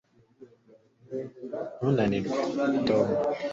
ntunanirwe, tom